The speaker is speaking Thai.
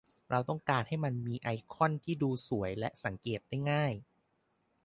เราต้องการให้มันมีไอคอนที่ดูสวยและสังเกตได้ง่าย